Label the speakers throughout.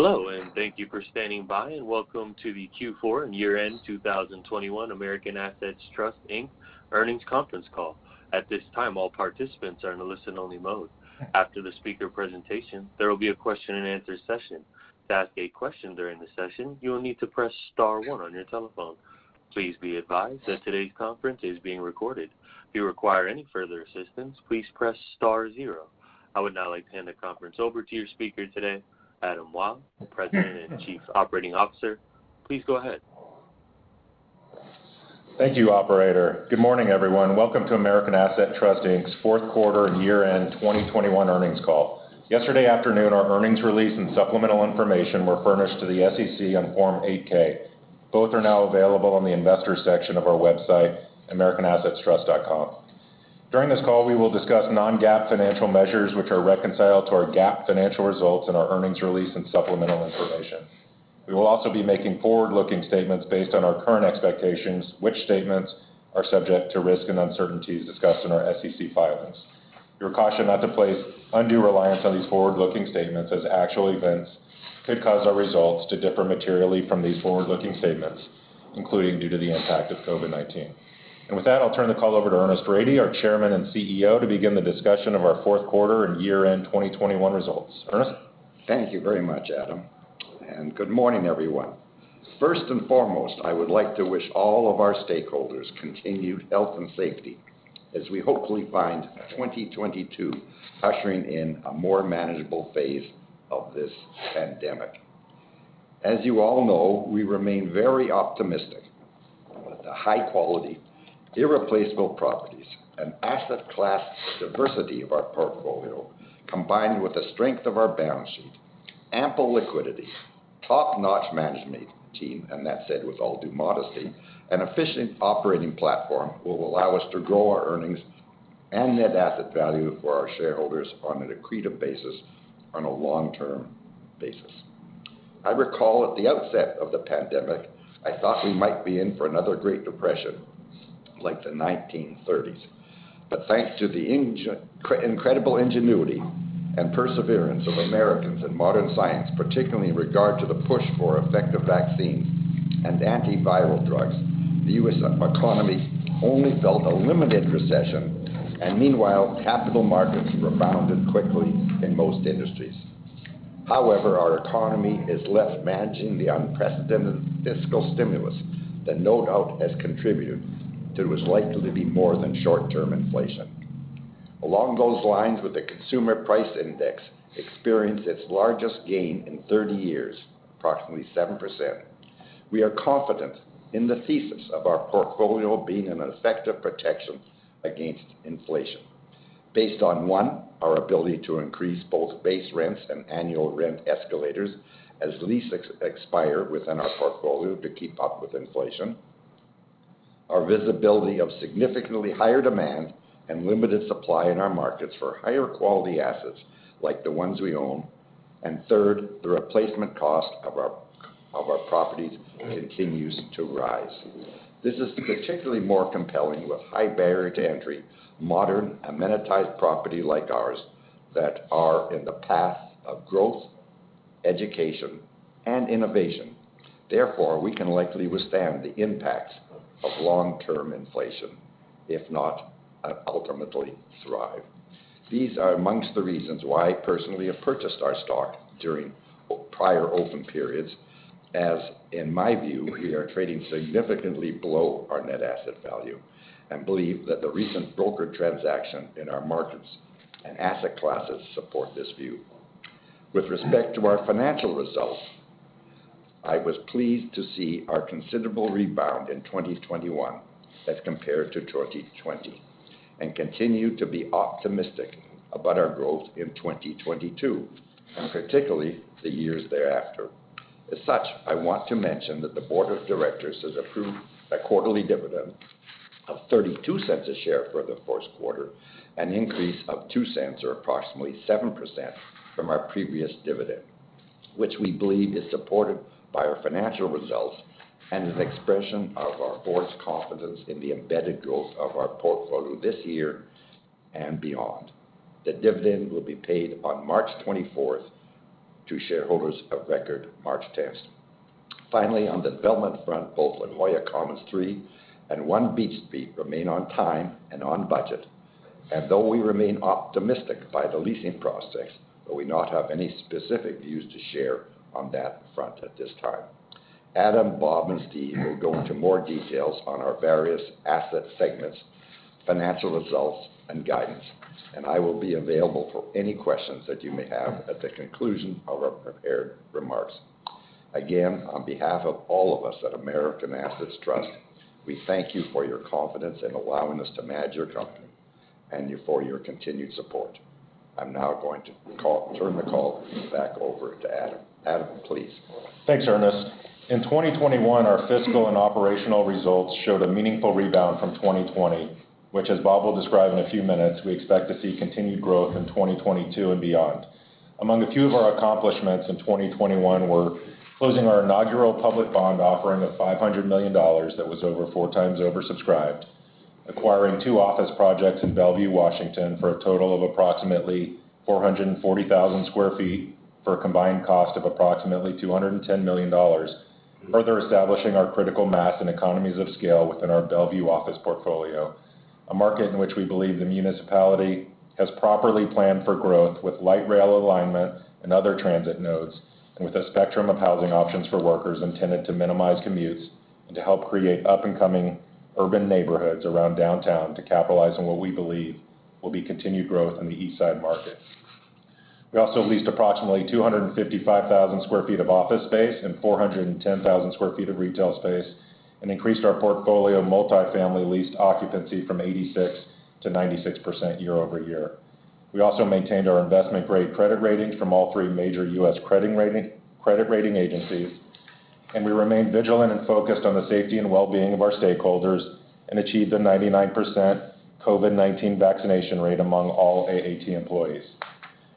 Speaker 1: Hello, and thank you for standing by. Welcome to the Q4 and year-end 2021 American Assets Trust, Inc. earnings conference call. At this time, all participants are in a listen-only mode. After the speaker presentation, there will be a question-and-answer session. To ask a question during the session, you will need to press star one on your telephone. Please be advised that today's conference is being recorded. If you require any further assistance, please press star zero. I would now like to hand the conference over to your speaker today, Adam Wyll, President and Chief Operating Officer. Please go ahead.
Speaker 2: Thank you, operator. Good morning, everyone. Welcome to American Assets Trust, Inc.'s fourth quarter and year-end 2021 earnings call. Yesterday afternoon, our earnings release and supplemental information were furnished to the SEC on Form 8-K. Both are now available on the investor section of our website, americanassetstrust.com. During this call, we will discuss non-GAAP financial measures, which are reconciled to our GAAP financial results in our earnings release and supplemental information. We will also be making forward-looking statements based on our current expectations, which statements are subject to risks and uncertainties discussed in our SEC filings. You're cautioned not to place undue reliance on these forward-looking statements, as actual events could cause our results to differ materially from these forward-looking statements, including due to the impact of COVID-19. With that, I'll turn the call over to Ernest Rady, our Chairman and CEO, to begin the discussion of our fourth quarter and year-end 2021 results. Ernest?
Speaker 3: Thank you very much, Adam, and good morning, everyone. First and foremost, I would like to wish all of our stakeholders continued health and safety as we hopefully find 2022 ushering in a more manageable phase of this pandemic. As you all know, we remain very optimistic that the high quality, irreplaceable properties and asset class diversity of our portfolio, combined with the strength of our balance sheet, ample liquidity, top-notch management team, and that said with all due modesty, an efficient operating platform will allow us to grow our earnings and net asset value for our shareholders on an accretive basis on a long-term basis. I recall at the outset of the pandemic, I thought we might be in for another Great Depression like the 1930s. Thanks to the incredible ingenuity and perseverance of Americans and modern science, particularly in regard to the push for effective vaccines and antiviral drugs, the U.S. economy only felt a limited recession, and meanwhile, capital markets rebounded quickly in most industries. However, our economy is left managing the unprecedented fiscal stimulus that no doubt has contributed to what is likely to be more than short-term inflation. Along those lines, with the Consumer Price Index experiencing its largest gain in 30 years, approximately 7%, we are confident in the thesis of our portfolio being an effective protection against inflation based on, one, our ability to increase both base rents and annual rent escalators as leases expire within our portfolio to keep up with inflation. Our visibility of significantly higher demand and limited supply in our markets for higher quality assets like the ones we own. Third, the replacement cost of our properties continues to rise. This is particularly more compelling with high barrier to entry, modern amenitized property like ours that are in the path of growth, education, and innovation. Therefore, we can likely withstand the impacts of long-term inflation, if not ultimately thrive. These are amongst the reasons why I personally have purchased our stock during prior open periods, as in my view, we are trading significantly below our net asset value and believe that the recent broker transaction in our markets and asset classes support this view. With respect to our financial results, I was pleased to see our considerable rebound in 2021 as compared to 2020, and continue to be optimistic about our growth in 2022, and particularly the years thereafter. As such, I want to mention that the board of directors has approved a quarterly dividend of $0.32 a share for the first quarter, an increase of $0.02 or approximately 7% from our previous dividend, which we believe is supported by our financial results and is an expression of our board's confidence in the embedded growth of our portfolio this year and beyond. The dividend will be paid on March 24th to shareholders of record March 10th. Finally, on the development front, both La Jolla Commons III and One Beach Street remain on time and on budget. Though we remain optimistic about the leasing process, but we do not have any specific views to share on that front at this time. Adam, Bob, and Steve will go into more details on our various asset segments, financial results, and guidance, and I will be available for any questions that you may have at the conclusion of our prepared remarks. Again, on behalf of all of us at American Assets Trust, we thank you for your confidence in allowing us to manage your company and you for your continued support. I'm now going to turn the call back over to Adam. Adam, please.
Speaker 2: Thanks, Ernest. In 2021, our fiscal and operational results showed a meaningful rebound from 2020, which as Bob will describe in a few minutes, we expect to see continued growth in 2022 and beyond. Among a few of our accomplishments in 2021, we're closing our inaugural public bond offering of $500 million that was over four times oversubscribed, acquiring two office projects in Bellevue, Washington for a total of approximately 440,000 sq ft for a combined cost of approximately $210 million, further establishing our critical mass and economies of scale within our Bellevue office portfolio. A market in which we believe the municipality has properly planned for growth with light rail alignment and other transit nodes, and with a spectrum of housing options for workers intended to minimize commutes and to help create up-and-coming urban neighborhoods around downtown to capitalize on what we believe will be continued growth in the East Side market. We also leased approximately 255,000 sq ft of office space and 410,000 sq ft of retail space, and increased our portfolio of multi-family leased occupancy from 86%-96% year-over-year. We also maintained our investment grade credit ratings from all three major U.S. credit rating agencies, and we remain vigilant and focused on the safety and well-being of our stakeholders, and achieved a 99% COVID-19 vaccination rate among all AAT employees.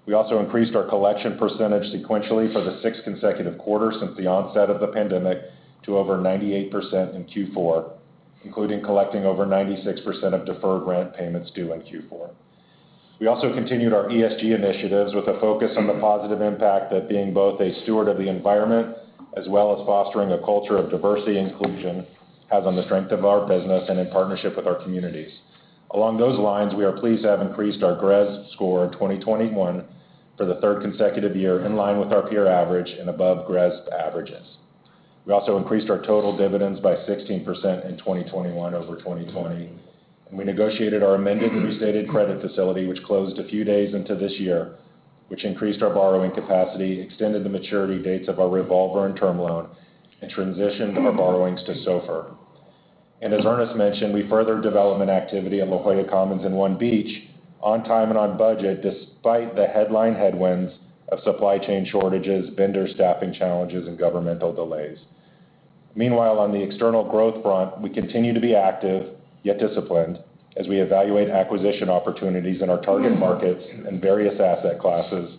Speaker 2: We also increased our collection percentage sequentially for the six consecutive quarter since the onset of the pandemic to over 98% in Q4, including collecting over 96% of deferred rent payments due in Q4. We also continued our ESG initiatives with a focus on the positive impact that being both a steward of the environment as well as fostering a culture of diversity inclusion has on the strength of our business and in partnership with our communities. Along those lines, we are pleased to have increased our GRESB score in 2021 for the third consecutive year in line with our peer average and above GRESB averages. We also increased our total dividends by 16% in 2021 over 2020, and we negotiated our amended restated credit facility, which closed a few days into this year, which increased our borrowing capacity, extended the maturity dates of our revolver and term loan, and transitioned our borrowings to SOFR. As Ernest mentioned, we furthered development activity in La Jolla Commons and One Beach on time and on budget, despite the headline headwinds of supply chain shortages, vendor staffing challenges, and governmental delays. Meanwhile, on the external growth front, we continue to be active, yet disciplined as we evaluate acquisition opportunities in our target markets and various asset classes,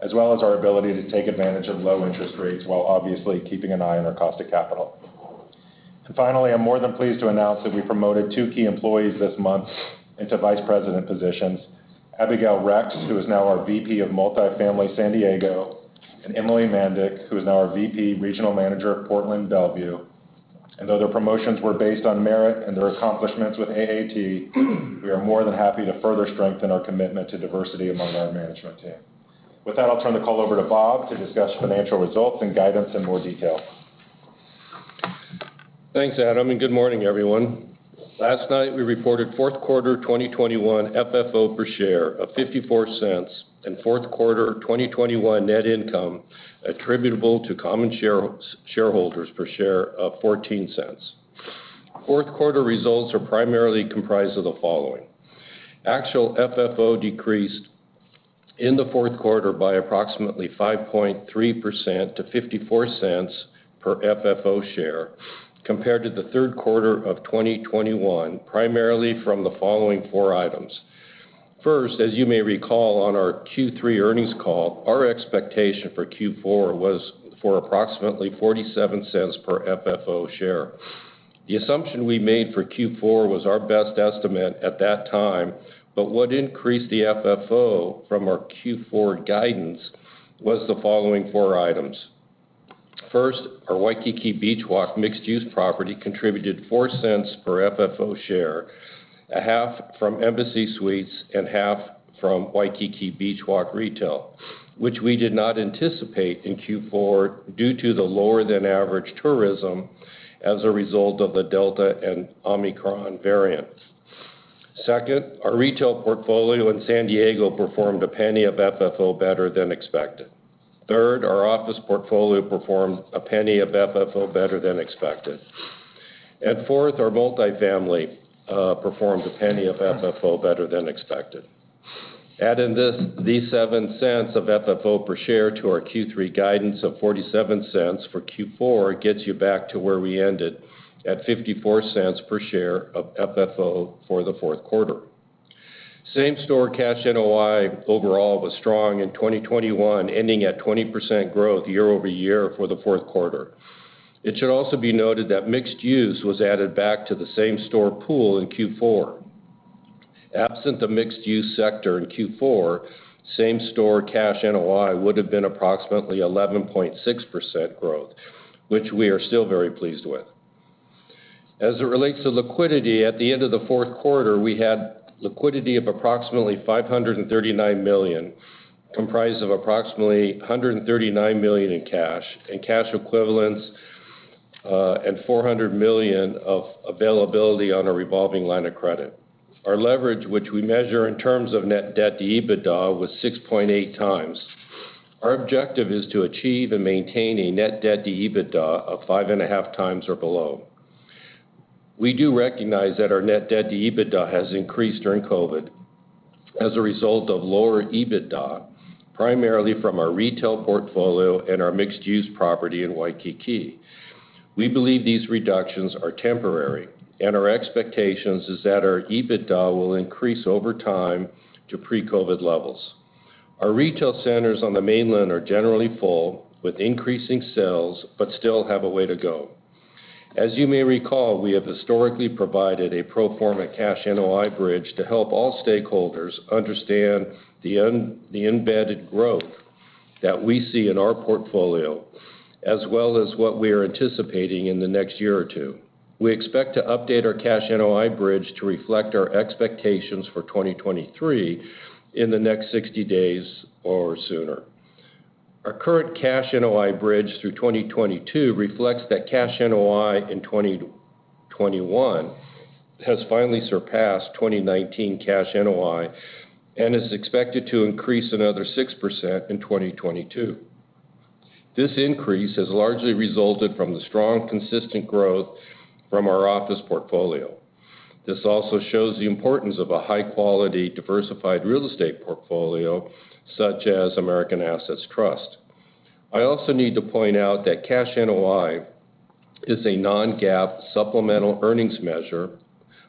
Speaker 2: as well as our ability to take advantage of low interest rates while obviously keeping an eye on our cost of capital. Finally, I'm more than pleased to announce that we promoted two key employees this month into Vice President positions. Abigail Rex, who is now our VP of Multifamily San Diego, and Emily Mandic, who is now our VP Regional Manager of Portland Bellevue. Though their promotions were based on merit and their accomplishments with AAT, we are more than happy to further strengthen our commitment to diversity among our management team. With that, I'll turn the call over to Bob to discuss financial results and guidance in more detail.
Speaker 4: Thanks, Adam, and good morning, everyone. Last night, we reported fourth quarter 2021 FFO per share of $0.54 and fourth quarter 2021 net income attributable to common shareholders per share of $0.14. Fourth quarter results are primarily comprised of the following. Actual FFO decreased in the fourth quarter by approximately 5.3% to $0.54 per FFO share, compared to the third quarter of 2021, primarily from the following four items. First, as you may recall on our Q3 earnings call, our expectation for Q4 was for approximately $0.47 per FFO share. The assumption we made for Q4 was our best estimate at that time, but what increased the FFO from our Q4 guidance was the following four items. First, our Waikiki Beach Walk mixed-use property contributed $0.04 per FFO share, half from Embassy Suites and half from Waikiki Beach Walk Retail, which we did not anticipate in Q4 due to the lower than average tourism as a result of the Delta and Omicron variants. Second, our retail portfolio in San Diego performed $0.01 of FFO better than expected. Third, our office portfolio performed $0.01 of FFO better than expected. Fourth, our multifamily performed $0.01 of FFO better than expected. Add in these $0.07 of FFO per share to our Q3 guidance of $0.47 for Q4 gets you back to where we ended at $0.54 per share of FFO for the fourth quarter. Same-store cash NOI overall was strong in 2021, ending at 20% growth year-over-year for the fourth quarter. It should also be noted that mixed-use was added back to the same store pool in Q4. Absent the mixed-use sector in Q4, same store cash NOI would have been approximately 11.6% growth, which we are still very pleased with. As it relates to liquidity, at the end of the fourth quarter, we had liquidity of approximately $539 million, comprised of approximately $139 million in cash and cash equivalents, and $400 million of availability on a revolving line of credit. Our leverage, which we measure in terms of net debt to EBITDA, was 6.8x. Our objective is to achieve and maintain a net debt to EBITDA of 5.5x or below. We do recognize that our net debt to EBITDA has increased during COVID as a result of lower EBITDA, primarily from our retail portfolio and our mixed-use property in Waikiki. We believe these reductions are temporary, and our expectations is that our EBITDA will increase over time to pre-COVID levels. Our retail centers on the mainland are generally full with increasing sales, but still have a way to go. As you may recall, we have historically provided a pro forma cash NOI bridge to help all stakeholders understand the embedded growth that we see in our portfolio, as well as what we are anticipating in the next year or two. We expect to update our cash NOI bridge to reflect our expectations for 2023 in the next 60 days or sooner. Our current cash NOI bridge through 2022 reflects that cash NOI in 2021 has finally surpassed 2019 cash NOI and is expected to increase another 6% in 2022. This increase has largely resulted from the strong, consistent growth from our office portfolio. This also shows the importance of a high quality, diversified real estate portfolio, such as American Assets Trust. I also need to point out that cash NOI is a non-GAAP supplemental earnings measure,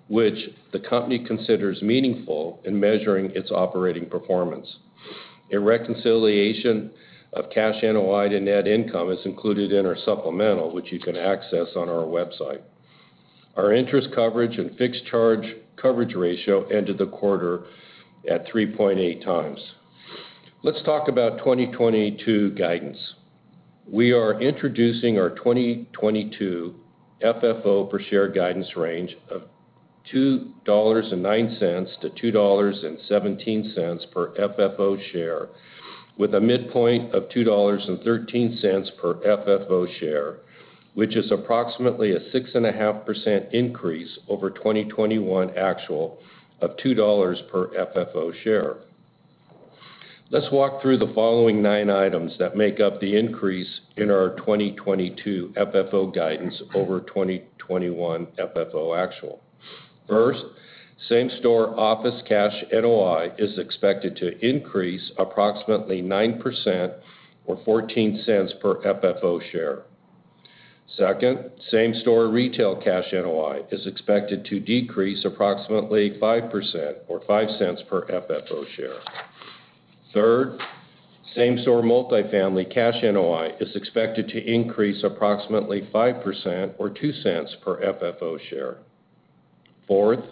Speaker 4: which the company considers meaningful in measuring its operating performance. A reconciliation of cash NOI to net income is included in our supplemental, which you can access on our website. Our interest coverage and fixed charge coverage ratio ended the quarter at 3.8x. Let's talk about 2022 guidance. We are introducing our 2022 FFO per share guidance range of $2.09-$2.17 per FFO share, with a midpoint of $2.13 per FFO share, which is approximately a 6.5% increase over 2021 actual of $2 per FFO share. Let's walk through the following nine items that make up the increase in our 2022 FFO guidance over 2021 FFO actual. First, same-store office cash NOI is expected to increase approximately 9% or $0.14 cents per FFO share. Second, same-store retail cash NOI is expected to decrease approximately 5% or $0.05 per FFO share. Third, same-store multifamily cash NOI is expected to increase approximately 5% or $0.02 per FFO share. Fourth,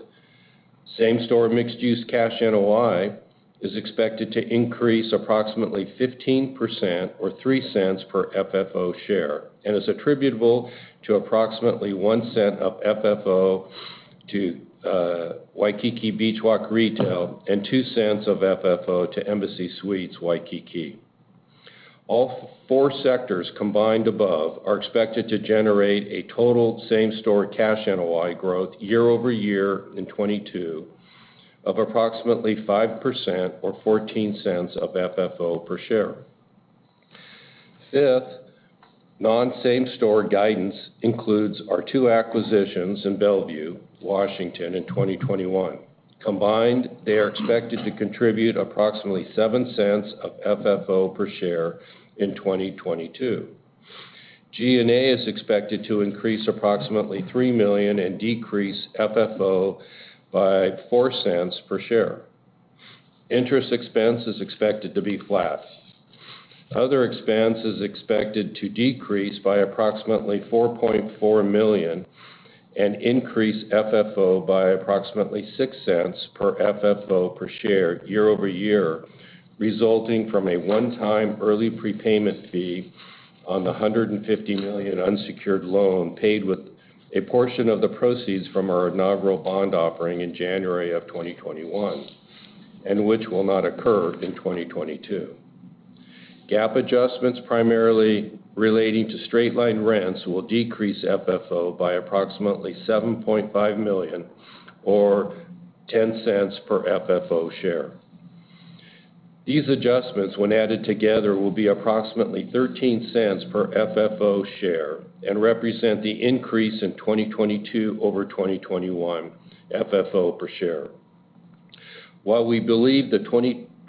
Speaker 4: same-store mixed-use cash NOI is expected to increase approximately 15% or $0.03 per FFO share, and is attributable to approximately $0.01 Of FFO to Waikiki Beach Walk Retail and $0.02 Of FFO to Embassy Suites Waikiki. All four sectors combined above are expected to generate a total same-store cash NOI growth year-over-year in 2022 of approximately 5% or $0.14 cents of FFO per share. Fifth, non-same-store guidance includes our two acquisitions in Bellevue, Washington in 2021. Combined, they are expected to contribute approximately $0.07 Of FFO per share in 2022. G&A is expected to increase approximately $3 million and decrease FFO by $0.04 per share. Interest expense is expected to be flat. Other expense is expected to decrease by approximately $4.4 million and increase FFO by approximately $0.06 per FFO per share year-over-year, resulting from a one-time early prepayment fee on the $150 million unsecured loan paid with a portion of the proceeds from our inaugural bond offering in January of 2021, and which will not occur in 2022. GAAP adjustments primarily relating to straight-line rents will decrease FFO by approximately $7.5 million or $0.10 per FFO share. These adjustments, when added together, will be approximately $0.13 per FFO share and represent the increase in 2022 over 2021 FFO per share. While we believe the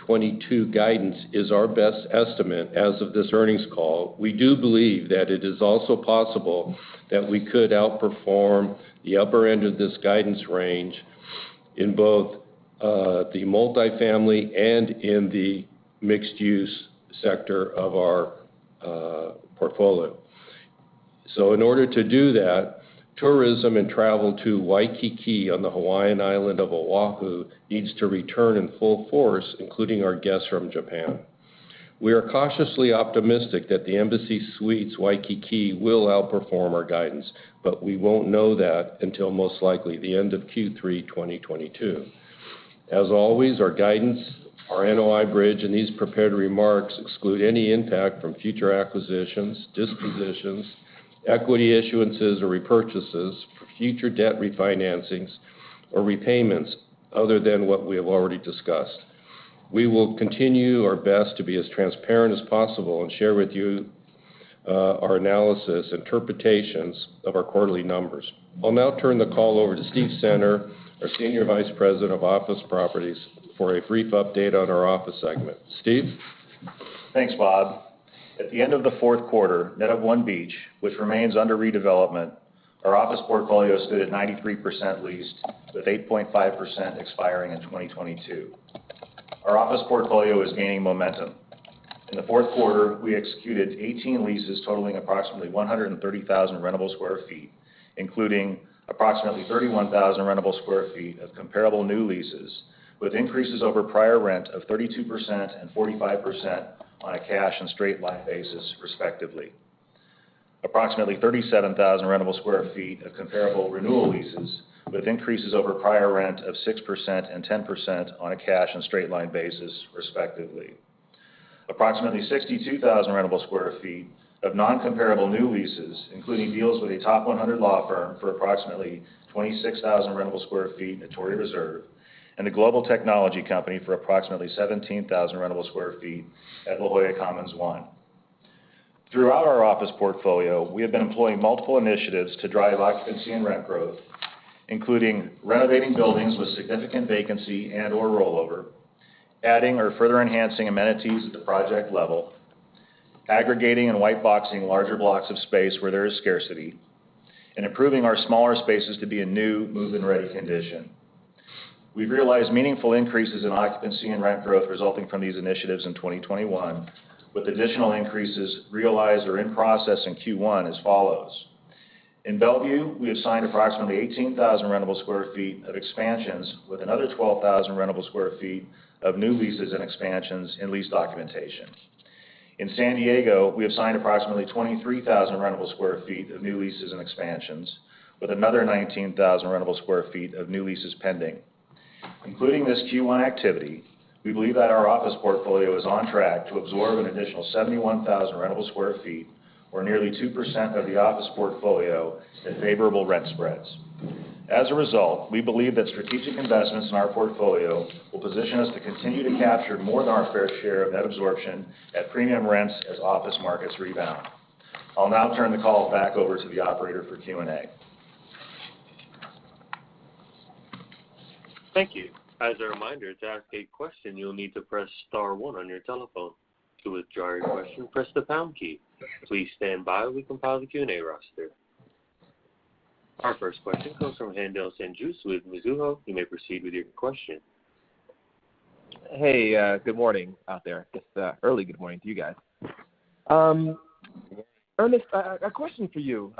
Speaker 4: 2022 guidance is our best estimate as of this earnings call, we do believe that it is also possible that we could outperform the upper end of this guidance range in both the multifamily and in the mixed-use sector of our portfolio. In order to do that, tourism and travel to Waikiki on the Hawaiian island of Oahu needs to return in full force, including our guests from Japan. We are cautiously optimistic that the Embassy Suites Waikiki will outperform our guidance, but we won't know that until most likely the end of Q3 2022. As always, our guidance, our NOI bridge, and these prepared remarks exclude any impact from future acquisitions, dispositions, equity issuances or repurchases, future debt refinancings, or repayments other than what we have already discussed. We will continue our best to be as transparent as possible and share with you, our analysis, interpretations of our quarterly numbers. I'll now turn the call over to Steve Center, our Senior Vice President of Office Properties, for a brief update on our office segment. Steve?
Speaker 5: Thanks, Bob. At the end of the fourth quarter, net of one beach, which remains under redevelopment, our office portfolio stood at 93% leased, with 8.5% expiring in 2022. Our office portfolio is gaining momentum. In the fourth quarter, we executed 18 leases totaling approximately 130,000 rentable sq ft, including approximately 31,000 rentable sq ft of comparable new leases, with increases over prior rent of 32% and 45% on a cash and straight-line basis, respectively. Approximately 37,000 rentable sq ft of comparable renewal leases, with increases over prior rent of 6% and 10% on a cash and straight-line basis, respectively. Approximately 62,000 rentable sq ft of non-comparable new leases, including deals with a top 100 law firm for approximately 26,000 rentable sq ft at Torrey Reserve, and a global technology company for approximately 17,000 rentable sq ft at La Jolla Commons I. Throughout our office portfolio, we have been employing multiple initiatives to drive occupancy and rent growth, including renovating buildings with significant vacancy and/or rollover, adding or further enhancing amenities at the project level, aggregating and white boxing larger blocks of space where there is scarcity, and improving our smaller spaces to be a new move-in-ready condition. We've realized meaningful increases in occupancy and rent growth resulting from these initiatives in 2021, with additional increases realized or in process in Q1 as follows. In Bellevue, we have signed approximately 18,000 rentable sq ft of expansions with another 12,000 rentable sq ft of new leases and expansions in lease documentation. In San Diego, we have signed approximately 23,000 rentable sq ft of new leases and expansions, with another 19,000 rentable sq ft of new leases pending. Including this Q1 activity, we believe that our office portfolio is on track to absorb an additional 71,000 rentable sq ft or nearly 2% of the office portfolio at favorable rent spreads. As a result, we believe that strategic investments in our portfolio will position us to continue to capture more than our fair share of net absorption at premium rents as office markets rebound. I'll now turn the call back over to the operator for Q&A.
Speaker 1: Thank you. As a reminder, to ask a question, you'll need to press star one on your telephone. To withdraw your question, press the pound key. Please stand by while we compile the Q&A roster. Our first question comes from Haendel St. Juste with Mizuho. You may proceed with your question.
Speaker 6: Hey, good morning out there. Just, early good morning to you guys. Ernest, a question for you.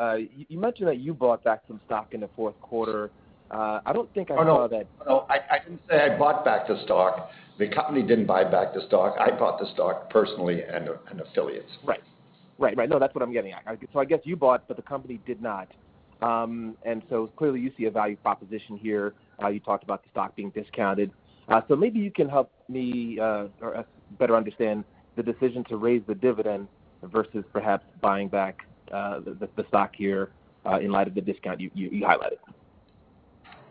Speaker 6: You mentioned that you bought back some stock in the fourth quarter. I don't think I heard that?
Speaker 3: Oh, no. No, I didn't say I bought back the stock. The company didn't buy back the stock. I bought the stock personally and affiliates.
Speaker 6: Right. No, that's what I'm getting at. I guess you bought, but the company did not. Clearly, you see a value proposition here, you talked about the stock being discounted. Maybe you can help me or us better understand the decision to raise the dividend versus perhaps buying back the stock here, in light of the discount you highlighted?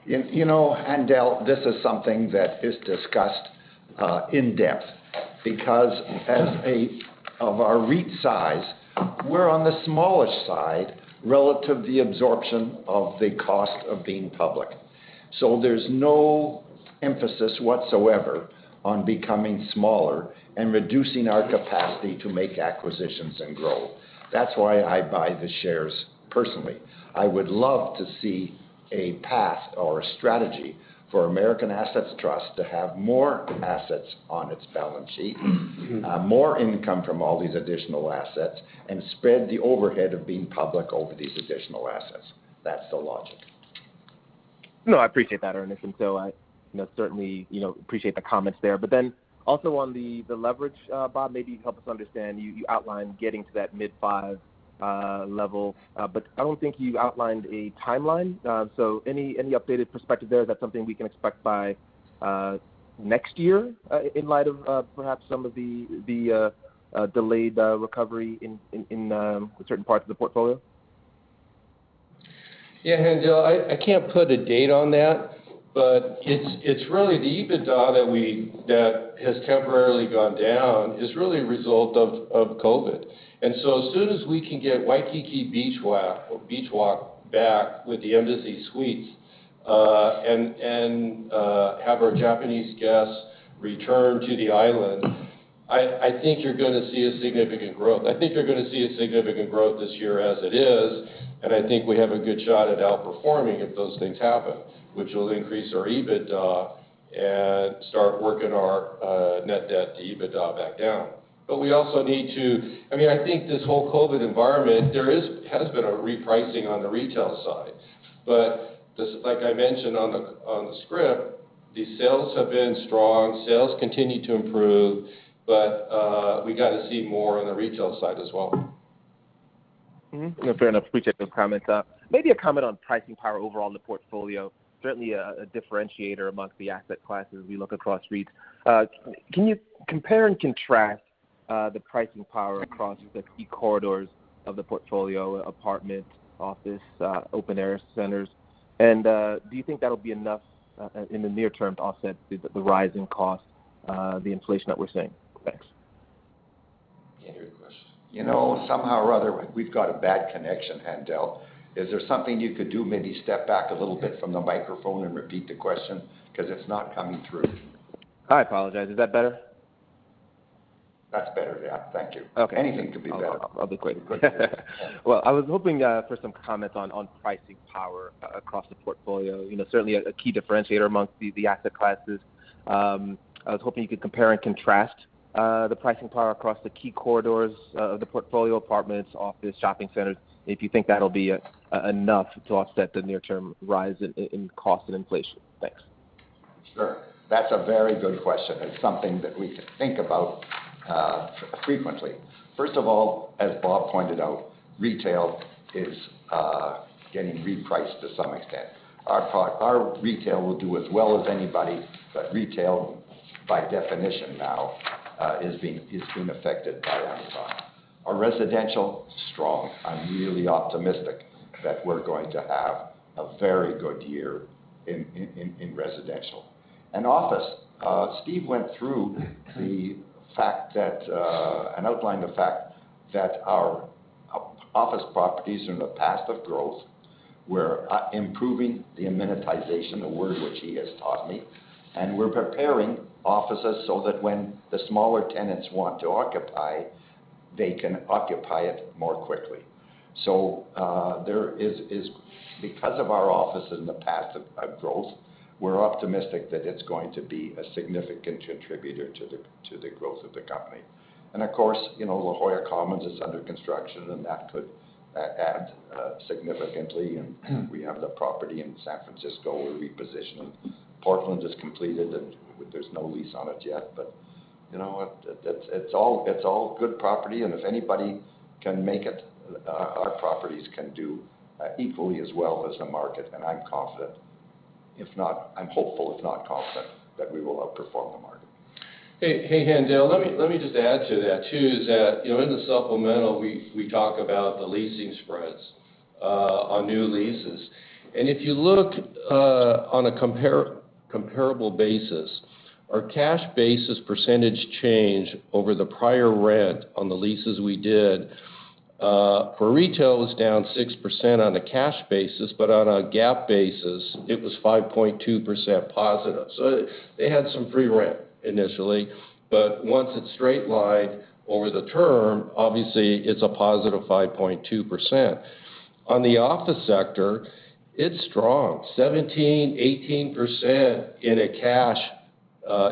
Speaker 3: You know, Haendel, this is something that is discussed in-depth because of our REIT size, we're on the smaller side relative to the absorption of the cost of being public. There's no emphasis whatsoever on becoming smaller and reducing our capacity to make acquisitions and grow. That's why I buy the shares personally. I would love to see a path or a strategy for American Assets Trust to have more assets on its balance sheet, more income from all these additional assets and spread the overhead of being public over these additional assets. That's the logic.
Speaker 6: No, I appreciate that, Ernest. I, you know, certainly, you know, appreciate the comments there. Also on the leverage, Bob, maybe help us understand, you outlined getting to that mid-five level, but I don't think you outlined a timeline. Any updated perspective there? Is that something we can expect by next year in light of perhaps some of the delayed recovery in certain parts of the portfolio?
Speaker 4: Yeah, Haendel, I can't put a date on that, but it's really the EBITDA that has temporarily gone down is really a result of COVID-19. As soon as we can get Waikiki Beach Walk back with the Embassy Suites and have our Japanese guests return to the island, I think you're gonna see a significant growth this year as it is, and I think we have a good shot at outperforming if those things happen, which will increase our EBITDA and start working our net debt to EBITDA back down. We also need to. I mean, I think this whole COVID-19 environment has been a repricing on the retail side. Just like I mentioned on the script, the sales have been strong. Sales continue to improve, but we got to see more on the retail side as well.
Speaker 6: Mm-hmm. No, fair enough. Appreciate those comments. Maybe a comment on pricing power overall in the portfolio, certainly a differentiator amongst the asset classes as we look across REITs. Can you compare and contrast the pricing power across the key corridors of the portfolio, apartment, office, open-air centers? Do you think that'll be enough in the near term to offset the rise in cost, the inflation that we're seeing? Thanks.
Speaker 3: Can you hear the question? You know, somehow or other, we've got a bad connection, Haendel. Is there something you could do, maybe step back a little bit from the microphone and repeat the question? 'Cause it's not coming through.
Speaker 6: I apologize. Is that better?
Speaker 3: That's better, yeah. Thank you.
Speaker 6: Okay.
Speaker 3: Anything can be better.
Speaker 6: I'll be quick. Well, I was hoping for some comments on pricing power across the portfolio. You know, certainly a key differentiator amongst the asset classes. I was hoping you could compare and contrast the pricing power across the key corridors, the portfolio apartments, office, shopping centers, if you think that'll be enough to offset the near-term rise in cost and inflation. Thanks.
Speaker 3: Sure. That's a very good question, and something that we think about frequently. First of all, as Bob pointed out, retail is getting repriced to some extent. Our retail will do as well as anybody, but retail, by definition now, is being affected by Amazon. Our residential, strong. I'm really optimistic that we're going to have a very good year in residential. Office, Steve went through the fact that and outlined the fact that our office properties are in a path of growth. We're improving the amenitization, a word which he has taught me. We're preparing offices so that when the smaller tenants want to occupy, they can occupy it more quickly. There is. Because of our offices in the path of growth, we're optimistic that it's going to be a significant contributor to the growth of the company. Of course, you know, La Jolla Commons is under construction and that could add significantly. We have the property in San Francisco we're repositioning. Portland is completed, and there's no lease on it yet. You know what? It's all good property, and if anybody can make it, our properties can do equally as well as the market, and I'm confident. If not, I'm hopeful, if not confident, that we will outperform the market.
Speaker 5: Hey, Haendel. Let me just add to that too, is that, you know, in the supplemental, we talk about the leasing spreads on new leases. If you look on a comparable basis, our cash basis percentage change over the prior rent on the leases we did for retail was down 6% on a cash basis. On a GAAP basis, it was +5.2%. They had some free rent initially. Once it's straight-lined over the term, obviously it's a +5.2%. On the office sector, it's strong. 17%-18% in a cash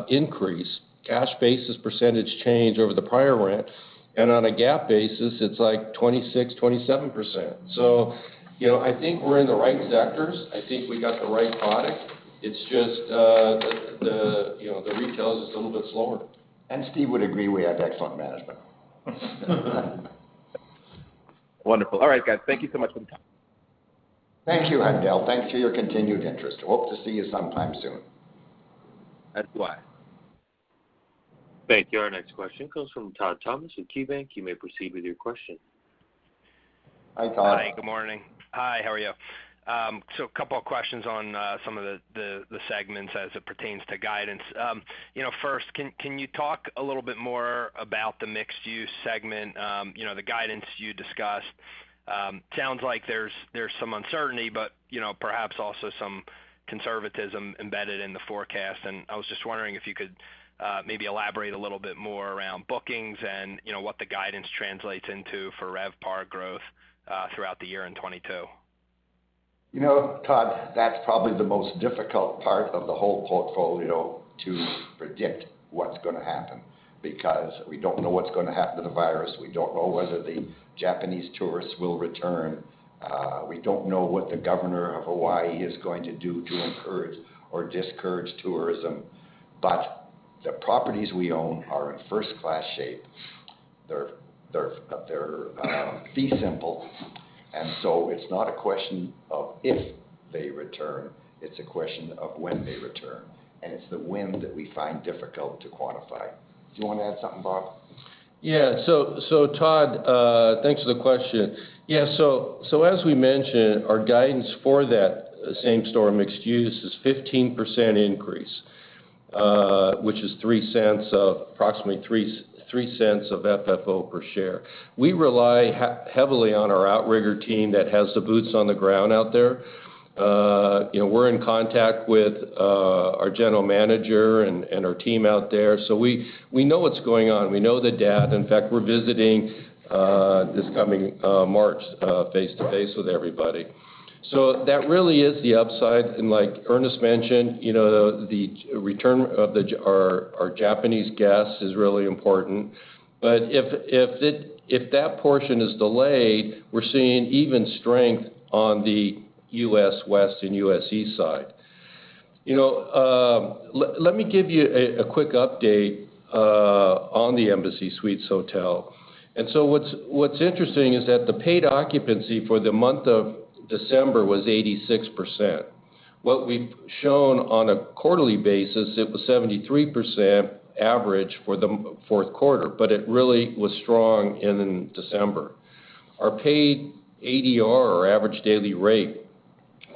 Speaker 5: increase, cash basis percentage change over the prior rent. On a GAAP basis, it's like 26%-27%. You know, I think we're in the right sectors. I think we got the right product. It's just, the you know, the retail is just a little bit slower.
Speaker 3: Steve would agree we have excellent management.
Speaker 6: Wonderful. All right, guys. Thank you so much for the time.
Speaker 3: Thank you, Haendel. Thanks for your continued interest. Hope to see you sometime soon.
Speaker 6: Likewise.
Speaker 1: Thank you. Our next question comes from Todd Thomas at KeyBanc. You may proceed with your question.
Speaker 3: Hi, Todd.
Speaker 7: Hi, good morning. Hi, how are you? So a couple of questions on some of the segments as it pertains to guidance. You know, first, can you talk a little bit more about the mixed-use segment, you know, the guidance you discussed? Sounds like there's some uncertainty, but, you know, perhaps also some conservatism embedded in the forecast. I was just wondering if you could maybe elaborate a little bit more around bookings and, you know, what the guidance translates into for RevPAR growth throughout the year in 2022.
Speaker 3: You know, Todd, that's probably the most difficult part of the whole portfolio to predict what's gonna happen, because we don't know what's gonna happen to the virus. We don't know whether the Japanese tourists will return. We don't know what the governor of Hawaii is going to do to encourage or discourage tourism. But the properties we own are in first-class shape. They're fee simple, and so it's not a question of if they return, it's a question of when they return. It's the when that we find difficult to quantify. Do you want to add something, Bob?
Speaker 4: Yeah. Todd, thanks for the question. Yeah, as we mentioned, our guidance for that same store mixed use is 15% increase, which is approximately $0.03 of FFO per share. We rely heavily on our Outrigger team that has the boots on the ground out there. You know, we're in contact with our general manager and our team out there, so we know what's going on. We know the data. In fact, we're visiting this coming March face-to-face with everybody. That really is the upside. Like Ernest mentioned, you know, the return of our Japanese guests is really important. But if that portion is delayed, we're seeing even strength on the U.S. West and U.S. East side. You know, let me give you a quick update on the Embassy Suites Hotel. What's interesting is that the paid occupancy for the month of December was 86%. What we've shown on a quarterly basis, it was 73% average for the fourth quarter, but it really was strong in December. Our paid ADR, or average daily rate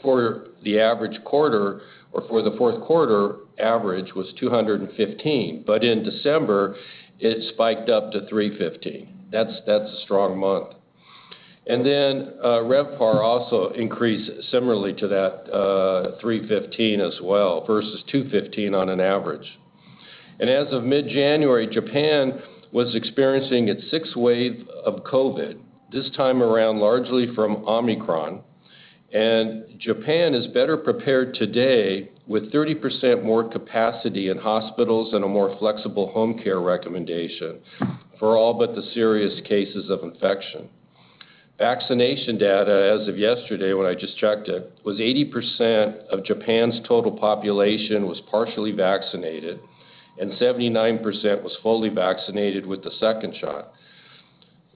Speaker 4: for the average quarter or for the fourth quarter average was 215, but in December it spiked up to 315. That's a strong month. RevPAR also increased similarly to that, 315 as well, versus 215 on an average. As of mid-January, Japan was experiencing its sixth wave of COVID, this time around largely from Omicron. Japan is better prepared today with 30% more capacity in hospitals and a more flexible home care recommendation for all but the serious cases of infection. Vaccination data as of yesterday, when I just checked it, was 80% of Japan's total population was partially vaccinated, and 79% was fully vaccinated with the second shot.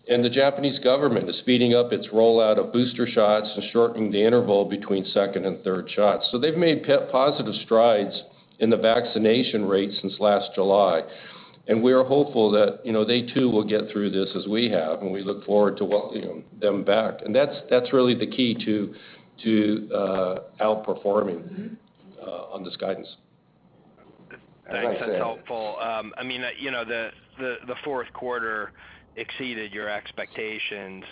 Speaker 4: The Japanese government is speeding up its rollout of booster shots and shortening the interval between second and third shots. They've made positive strides in the vaccination rate since last July, and we are hopeful that, you know, they too will get through this as we have, and we look forward to welcoming them back. That's really the key to outperforming on this guidance.
Speaker 7: Thanks. That's helpful. I mean, you know, the fourth quarter exceeded your expectations.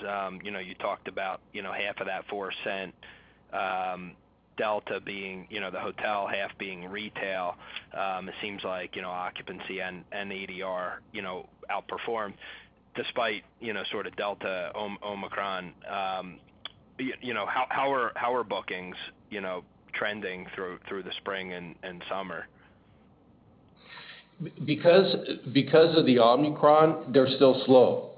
Speaker 7: You know, you talked about, you know, half of that $0.04 Delta being, you know, the hotel, half being retail. It seems like, you know, occupancy and ADR outperformed despite, you know, sort of delta, Omicron. You know, how are bookings trending through the spring and summer?
Speaker 4: Because of the Omicron, they're still slow.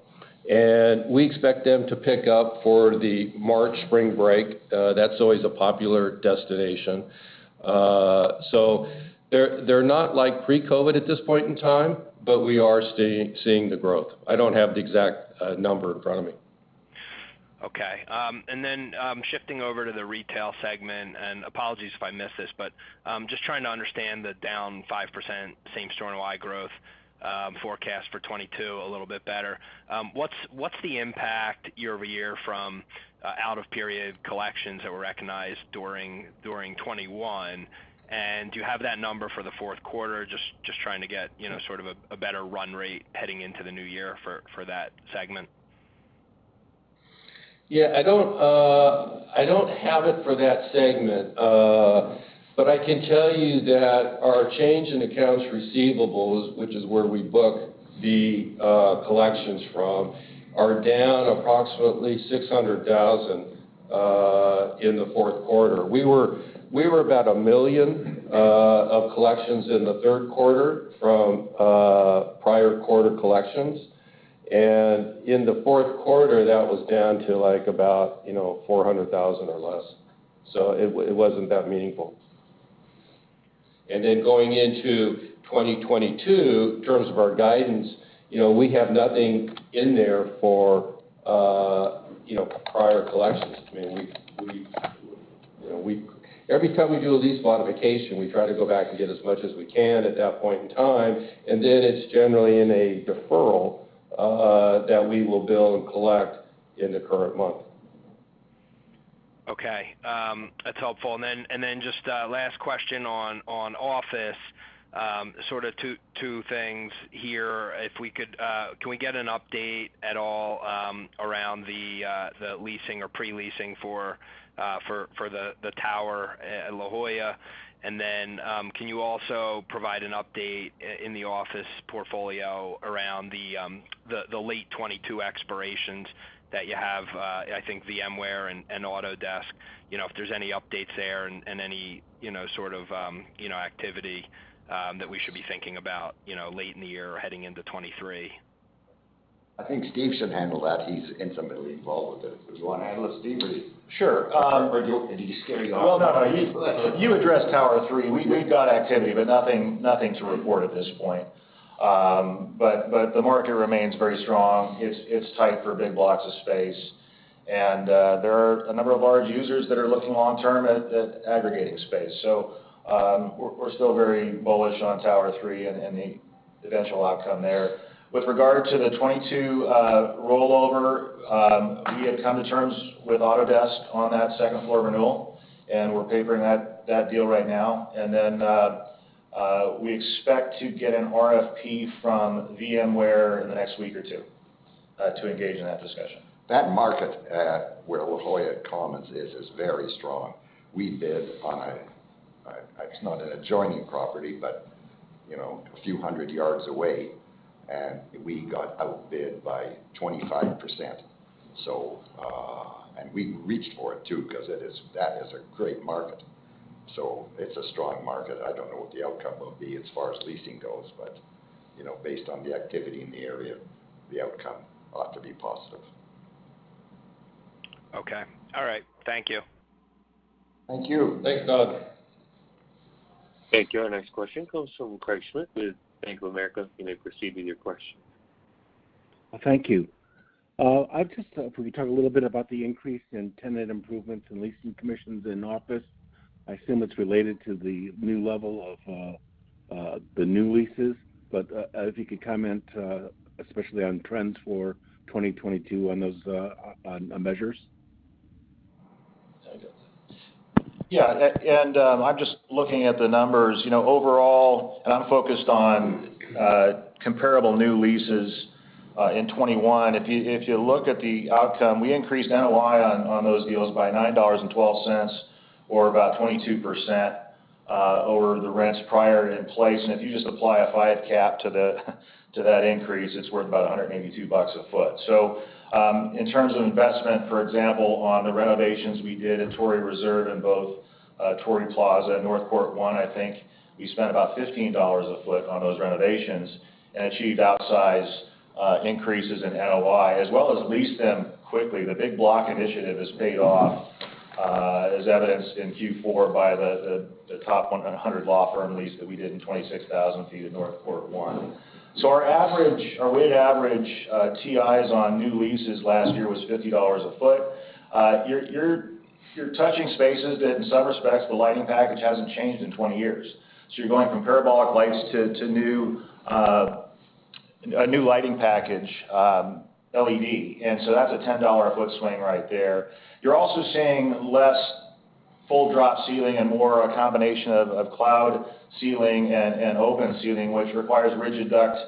Speaker 4: We expect them to pick up for the March spring break. That's always a popular destination. They're not like pre-COVID at this point in time, but we are seeing the growth. I don't have the exact number in front of me.
Speaker 7: Shifting over to the retail segment, apologies if I miss this. Just trying to understand the down 5% same-store NOI growth forecast for 2022 a little bit better. What's the impact year-over-year from out of period collections that were recognized during 2021? Do you have that number for the fourth quarter? Just trying to get, you know, sort of a better run rate heading into the new year for that segment.
Speaker 4: Yeah, I don't have it for that segment. I can tell you that our change in accounts receivable, which is where we book the collections from, is down approximately $600,000 in the fourth quarter. We were about a million of collections in the third quarter from prior quarter collections. In the fourth quarter, that was down to like about, you know, $400,000 or less. It wasn't that meaningful. Then going into 2022, in terms of our guidance, you know, we have nothing in there for prior collections. I mean, we've... You know, every time we do a lease modification, we try to go back and get as much as we can at that point in time, and then it's generally in a deferral that we will bill and collect in the current month.
Speaker 7: Okay, that's helpful. Just a last question on office. Sort of two things here if we could. Can we get an update at all around the leasing or pre-leasing for the tower at La Jolla? Can you also provide an update in the office portfolio around the late 2022 expirations that you have, I think VMware and Autodesk, you know, if there's any updates there and any, you know, sort of, you know, activity that we should be thinking about, you know, late in the year or heading into 2023.
Speaker 4: I think Steve should handle that. He's intimately involved with it. Do you wanna handle it, Steve, or do you
Speaker 5: Sure.
Speaker 4: Did you skip me altogether?
Speaker 5: Well, no. You addressed Tower III. We've got activity, but nothing to report at this point. The market remains very strong. It's tight for big blocks of space. There are a number of large users that are looking long-term at aggregating space. We're still very bullish on Tower III and the eventual outcome there. With regard to the 2022 rollover, we have come to terms with Autodesk on that second floor renewal, and we're papering that deal right now. Then we expect to get an RFP from VMware in the next week or two to engage in that discussion.
Speaker 4: That market at where La Jolla Commons is very strong. We bid on a. It's not an adjoining property, but you know, a few hundred yards away, and we got outbid by 25%. We reached for it too because it is, that is a great market. It's a strong market. I don't know what the outcome will be as far as leasing goes, but, you know, based on the activity in the area, the outcome ought to be positive.
Speaker 7: Okay. All right. Thank you.
Speaker 4: Thank you. Thanks, Todd.
Speaker 1: Thank you. Our next question comes from Craig Schmidt with Bank of America. You may proceed with your question.
Speaker 8: Thank you. I just if we could talk a little bit about the increase in tenant improvements and leasing commissions in office. I assume it's related to the new level of the new leases. If you could comment especially on trends for 2022 on those on measures.
Speaker 5: Yeah. I'm just looking at the numbers. You know, overall, I'm focused on comparable new leases in 2021. If you look at the outcome, we increased NOI on those deals by $9.12 or about 22% over the rents prior in place. If you just apply a five cap to that increase, it's worth about $182 a foot. In terms of investment, for example, on the renovations we did at Torrey Reserve in both Torrey Plaza and North Court One, I think we spent about $15 a foot on those renovations and achieved outsized increases in NOI, as well as leased them quickly. The big block initiative has paid off as evidenced in Q4 by the top 100 law firm lease that we did in 26,000 sq ft at North Court One. Our weighted average TIs on new leases last year was $50 a foot. You're touching spaces that in some respects, the lighting package hasn't changed in 20 years. You're going from parabolic lights to a new lighting package, LED. That's a $10 a foot swing right there. You're also seeing less full drop ceiling and more a combination of cloud ceiling and open ceiling, which requires rigid duct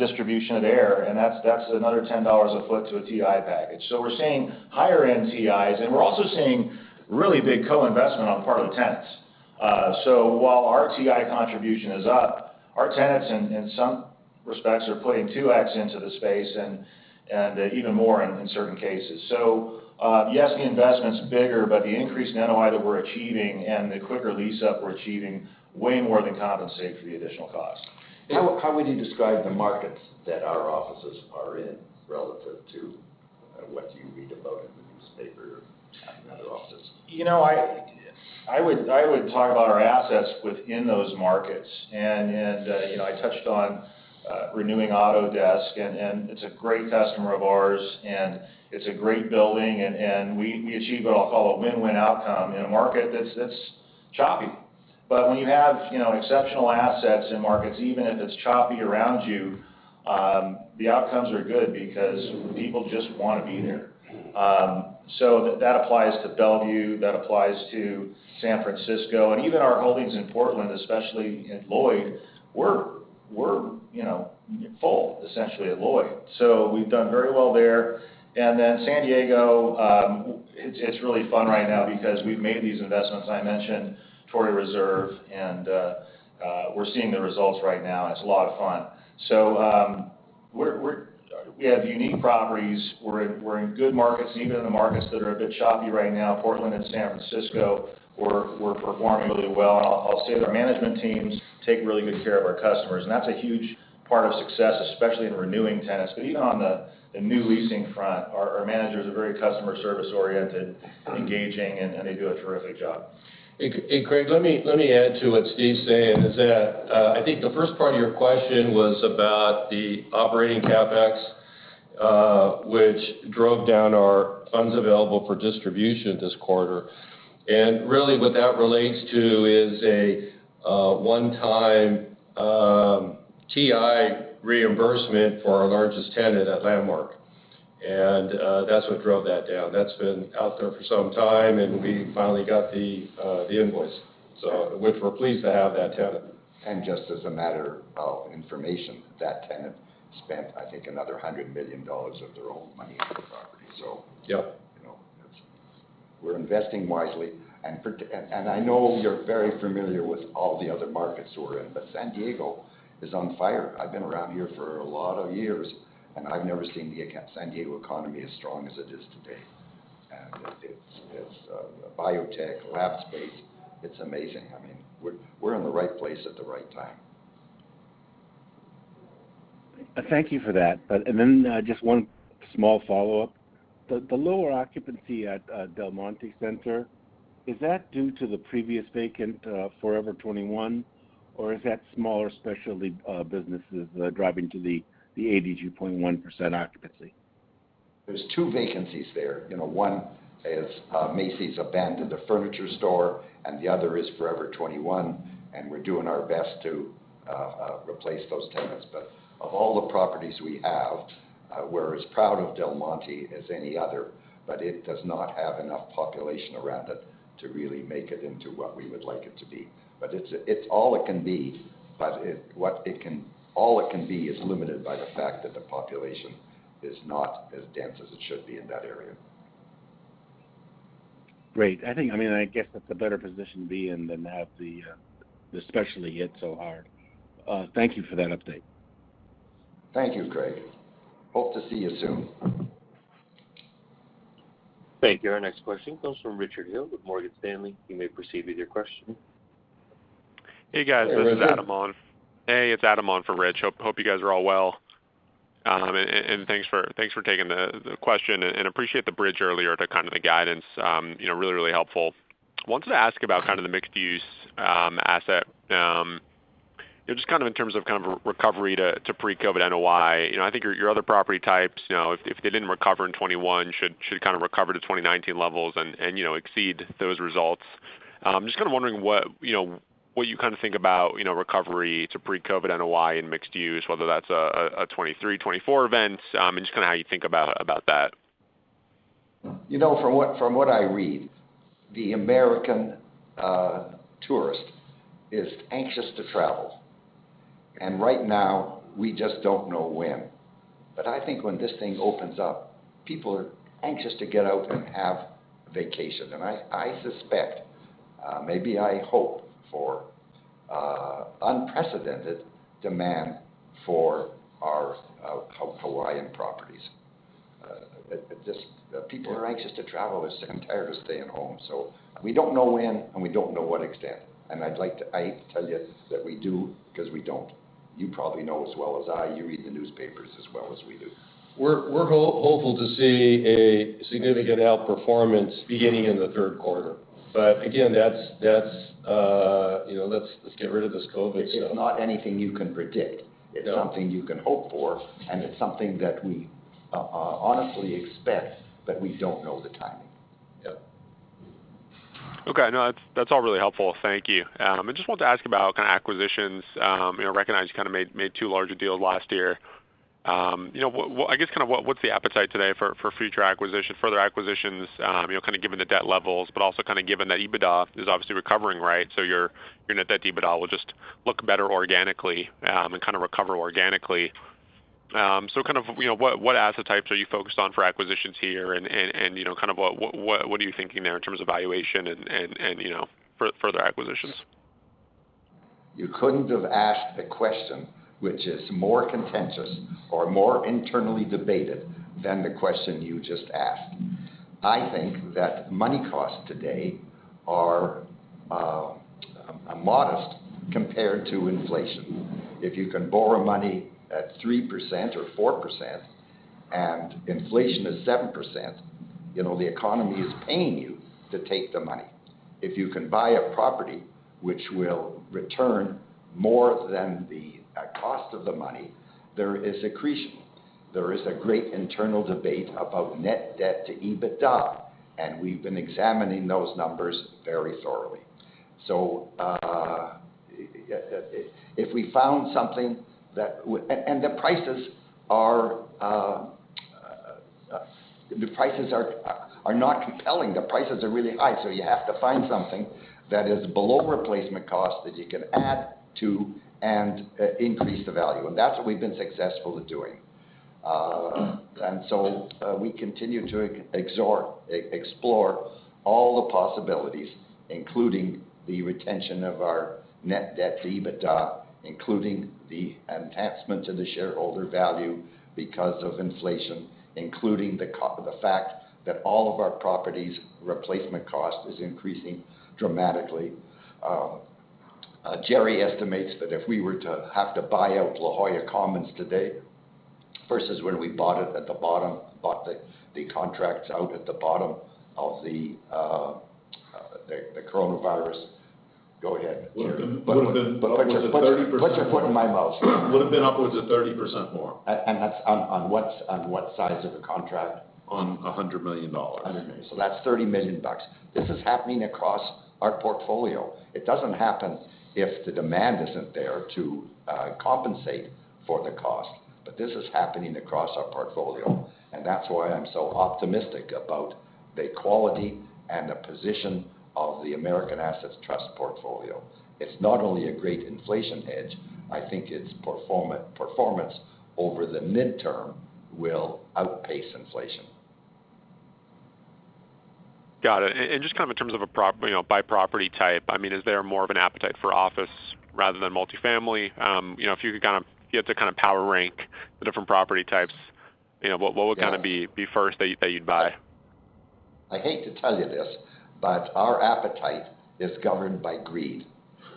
Speaker 5: distribution of air, and that's another $10 a foot to a TI package. We're seeing higher-end TIs, and we're also seeing really big co-investment on the part of the tenants. While our TI contribution is up, our tenants in some respects are putting 2x into the space and even more in certain cases. Yes, the investment's bigger, but the increase in NOI that we're achieving and the quicker lease-up we're achieving way more than compensate for the additional cost.
Speaker 8: How would you describe the markets that our offices are in relative to what you read about in the newspaper or another office?
Speaker 5: You know, I would talk about our assets within those markets. You know, I touched on renewing Autodesk, and it's a great customer of ours, and it's a great building, and we achieved what I'll call a win-win outcome in a market that's choppy. When you have, you know, exceptional assets in markets, even if it's choppy around you, the outcomes are good because people just wanna be there. That applies to Bellevue, that applies to San Francisco, and even our holdings in Portland, especially at Lloyd. We're, you know, full essentially at Lloyd. We've done very well there. San Diego, it's really fun right now because we've made these investments. I mentioned Torrey Reserve, and we're seeing the results right now, and it's a lot of fun. We have unique properties. We're in good markets. Even in the markets that are a bit choppy right now, Portland and San Francisco, we're performing really well. I'll say that our management teams take really good care of our customers, and that's a huge part of success, especially in renewing tenants. Even on the new leasing front, our managers are very customer service oriented, engaging, and they do a terrific job.
Speaker 4: Hey, Craig, let me add to what Steve's saying. I think the first part of your question was about the operating CapEx, which drove down our funds available for distribution this quarter. Really what that relates to is a one-time TI reimbursement for our largest tenant at Landmark. That's what drove that down. That's been out there for some time, and we finally got the invoice, so which we're pleased to have that tenant.
Speaker 3: Just as a matter of information, that tenant spent, I think, another hundred million-dollar of their own money on the property.
Speaker 4: Yep.
Speaker 3: You know, that's. We're investing wisely. I know you're very familiar with all the other markets we're in, but San Diego is on fire. I've been around here for a lot of years, and I've never seen the San Diego economy as strong as it is today. It's biotech, lab space. It's amazing. I mean, we're in the right place at the right time.
Speaker 8: Thank you for that. Just one small follow-up. The lower occupancy at Del Monte Center, is that due to the previously vacant Forever 21, or is that smaller specialty businesses driving the 82.1% occupancy?
Speaker 3: There's two vacancies there. You know, one is, Macy's abandoned a furniture store, and the other is Forever 21, and we're doing our best to replace those tenants. Of all the properties we have, we're as proud of Del Monte as any other, but it does not have enough population around it to really make it into what we would like it to be. It's all it can be, but all it can be is limited by the fact that the population is not as dense as it should be in that area.
Speaker 8: Great. I mean, I guess that's a better position to be in than have the specialty hit so hard. Thank you for that update.
Speaker 3: Thank you, Craig. Hope to see you soon.
Speaker 1: Thank you. Our next question comes from Richard Hill with Morgan Stanley. You may proceed with your question.
Speaker 9: Hey, guys. This is Adam on.
Speaker 3: Hey, Richard.
Speaker 9: Hey, it's Adam on for Rich. Hope you guys are all well. Thanks for taking the question and appreciate the bridge earlier to kind of the guidance. You know, really helpful. Wanted to ask about kind of the mixed-use assets. Just kind of in terms of kind of recovery to pre-COVID NOI. You know, I think your other property types, you know, if they didn't recover in 2021 should kind of recover to 2019 levels and you know, exceed those results. Just kinda wondering what you kind of think about you know, recovery to pre-COVID NOI and mixed-use, whether that's a 2023-2024 event, and just kinda how you think about that.
Speaker 3: You know, from what I read, the American tourist is anxious to travel. Right now we just don't know when. I think when this thing opens up, people are anxious to get out and have vacation. I suspect, maybe I hope for, unprecedented demand for our Hawaiian properties. People are anxious to travel. They're sick and tired of staying home. We don't know when, and we don't know what extent, and I'd tell you that we do, because we don't. You probably know as well as I. You read the newspapers as well as we do.
Speaker 2: We're hopeful to see a significant outperformance beginning in the third quarter. Again, that's, you know, let's get rid of this COVID stuff.
Speaker 3: It's not anything you can predict.
Speaker 2: No.
Speaker 3: It's something you can hope for, and it's something that we honestly expect, but we don't know the timing.
Speaker 2: Yep.
Speaker 9: Okay. No, that's all really helpful. Thank you. I just want to ask about kind of acquisitions. You know, recognize you kind of made two larger deals last year. You know, what... I guess kind of what's the appetite today for further acquisitions, you know, kind of given the debt levels, but also kind of given that EBITDA is obviously recovering, right? So your net debt to EBITDA will just look better organically, and kind of recover organically. So kind of, you know, what asset types are you focused on for acquisitions here and, you know, kind of what are you thinking there in terms of valuation and, you know, further acquisitions?
Speaker 3: You couldn't have asked a question which is more contentious or more internally debated than the question you just asked. I think that the cost of money today is modest compared to inflation. If you can borrow money at 3% or 4% and inflation is 7%, you know, the economy is paying you to take the money. If you can buy a property which will return more than the cost of the money, there is accretion. There is a great internal debate about net debt to EBITDA, and we've been examining those numbers very thoroughly. The prices are not compelling. The prices are really high. You have to find something that is below replacement cost that you can add to and increase the value. That's what we've been successful at doing. We continue to explore all the possibilities, including the retention of our net debt to EBITDA, including the enhancement to the shareholder value because of inflation, including the fact that all of our properties' replacement cost is increasing dramatically. Jerry estimates that if we were to have to buy out La Jolla Commons today versus when we bought the contracts out at the bottom of the coronavirus. Go ahead, Jerry.
Speaker 10: Would have been upwards of 30% more.
Speaker 3: Put your foot in my mouth.
Speaker 10: Would have been upwards of 30% more.
Speaker 3: That's on what size of the contract?
Speaker 10: On hundred million-dollar.
Speaker 3: That's $30 million. This is happening across our portfolio. It doesn't happen if the demand isn't there to compensate for the cost. This is happening across our portfolio, and that's why I'm so optimistic about the quality and the position of the American Assets Trust portfolio. It's not only a great inflation hedge, I think its performance over the midterm will outpace inflation.
Speaker 9: Got it. Just kind of in terms of, you know, by property type, I mean, is there more of an appetite for office rather than multifamily? You know, if you could kind of. If you had to kind of power rank the different property types, you know, what would kind of be-
Speaker 3: Yeah...
Speaker 9: be first that you'd buy?
Speaker 3: I hate to tell you this, but our appetite is governed by greed.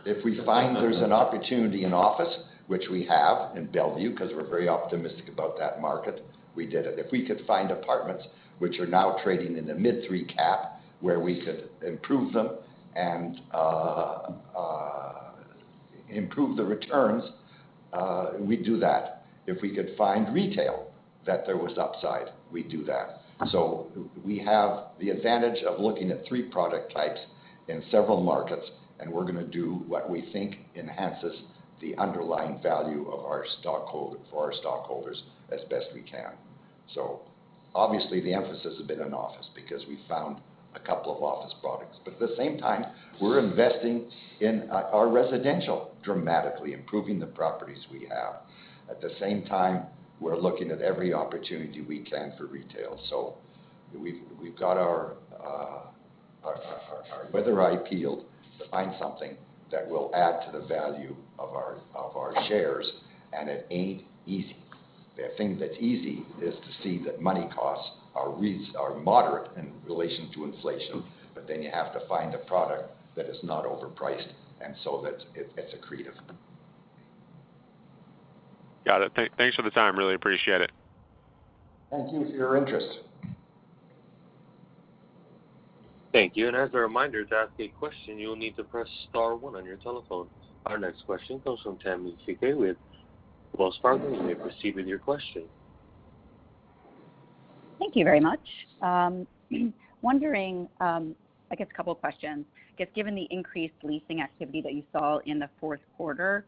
Speaker 3: If we find there's an opportunity in office, which we have in Bellevue, because we're very optimistic about that market, we did it. If we could find apartments which are now trading in the mid-three cap, where we could improve them and improve the returns, we'd do that. If we could find retail that there was upside, we'd do that. We have the advantage of looking at three product types in several markets, and we're gonna do what we think enhances the underlying value of our stockholder, for our stockholders as best we can. Obviously the emphasis has been on office because we found a couple of office products. At the same time, we're investing in our residential, dramatically improving the properties we have. At the same time, we're looking at every opportunity we can for retail. We've got our weather eye peeled to find something that will add to the value of our shares, and it ain't easy. The thing that's easy is to see that money costs are moderate in relation to inflation, but then you have to find a product that is not overpriced and so that it's accretive.
Speaker 9: Got it. Thanks for the time. Really appreciate it.
Speaker 3: Thank you for your interest.
Speaker 1: Thank you. As a reminder, to ask a question, you'll need to press star one on your telephone. Our next question comes from Tammi Fique with Wells Fargo. We are receiving your question.
Speaker 11: Thank you very much. I'm wondering, I guess a couple questions. I guess, given the increased leasing activity that you saw in the fourth quarter,